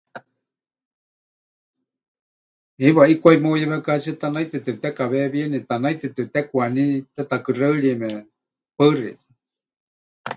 Heiwa ʼikwai meuyewekátsie, tanaitɨ tepɨtekaweewíeni, tanaitɨ tepɨtekwaní tetakuxeɨrieme. Paɨ xeikɨ́a.